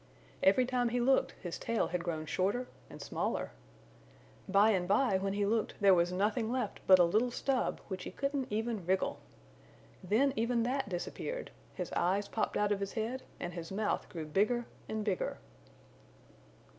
Every time he looked his tail had grown shorter and smaller. By and by when he looked there was nothing left but a little stub which he couldn't even wriggle. Then even that disappeared, his eyes popped out of his head and his mouth grew bigger and bigger."